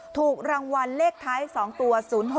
ถูกรางวัลเลขท้าย๒ตัว๐๖